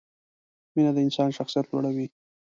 مینه د انسان شخصیت لوړوي.